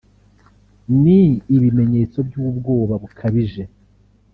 ni ibimenyetso by’ubwoba bukabije